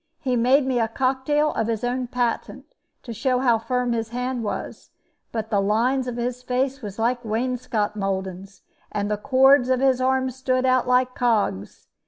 He made me a cocktail of his own patent, to show how firm his hand was; but the lines of his face was like wainscot mouldings, and the cords of his arm stood out like cogs.